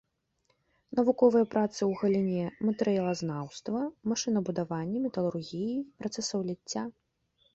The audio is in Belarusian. Навуковыя працы ў галіне матэрыялазнаўства, машынабудавання, металургіі, працэсаў ліцця.